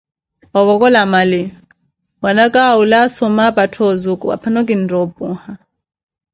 ovokola mali, mwanaka awula, asoma apattha ozuku, aphano kintta opuha.